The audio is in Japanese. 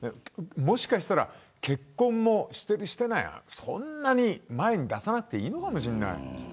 もしかしたら結婚のしてるしてないもそんなに前に出さなくていいのかもしれない。